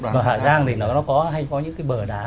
ở hà giang thì nó có hay có những cái bờ đá